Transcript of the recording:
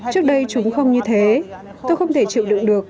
chúng tôi không có bình thường